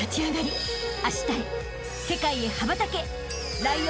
世界へ羽ばたけ！］